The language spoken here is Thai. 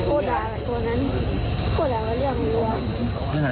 โอเค